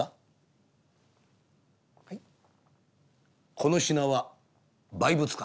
「この品は売物か？」。